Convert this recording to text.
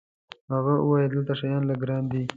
هغه وویل: دلته شیان لږ ګران دي.